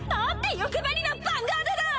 欲張りなヴァンガードだ！